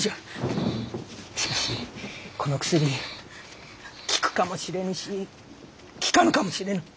しかしこの薬効くかもしれぬし効かぬかもしれぬ。